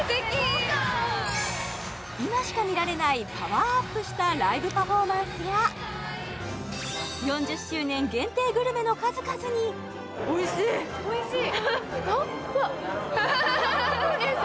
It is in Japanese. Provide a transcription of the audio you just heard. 今しか見られないパワーアップしたライブパフォーマンスや４０周年限定グルメの数々にふわっふわです